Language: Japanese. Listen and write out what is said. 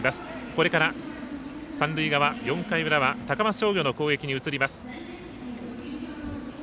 これから三塁側、４回裏は高松商業の攻撃に移ります。